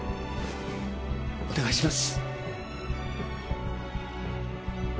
お願いします